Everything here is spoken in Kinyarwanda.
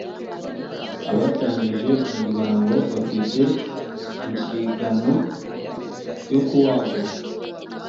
abatangije umuryango bafite inshigano yo kuwagura.